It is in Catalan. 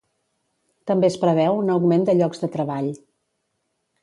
També es preveu un augment de llocs de treball.